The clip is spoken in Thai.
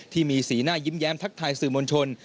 ที่มีสีหน้ายิ้มแย้มทักทายสื่อมวลชน